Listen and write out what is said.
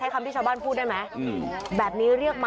หัวเตียงค่ะหัวเตียงค่ะหัวเตียงค่ะ